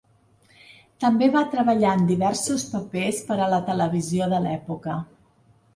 També va treballar en diversos papers per a la televisió de l'època.